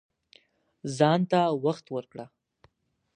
ځان ته وخت ورکړه